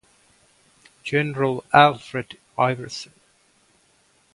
General Alfred Iverson.